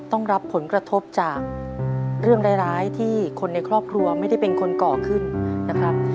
ต้องรับผลกระทบจากเรื่องร้ายที่คนในครอบครัวไม่ได้เป็นคนก่อขึ้นนะครับ